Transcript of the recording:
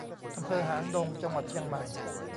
อำเภอหางดง จังหวัดเชียงใหม่